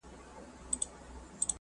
شیخه چي په شک مي درته وکتل معذور یمه